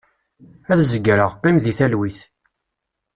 Ad zegreɣ, qqim di talwit.